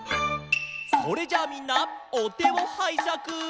それじゃあみんなおてをはいしゃく。